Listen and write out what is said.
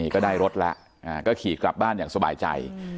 ก็ได้รถแล้วก็ขี่กลับบ้านอย่างสบายใจ